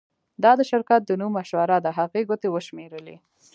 دا د شرکت د نوم مشوره ده هغې ګوتې وشمیرلې